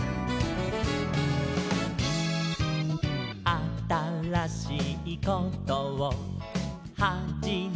「あたらしいことをはじめましょう」